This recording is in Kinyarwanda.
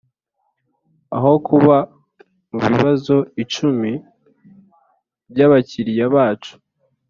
aho kuba mubibazo icumi byabakiriya bacu.